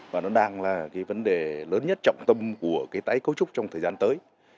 và nó đang là cái vấn đề lớn nhất trọng tâm của cái tái cấu trúc trong thời gian tới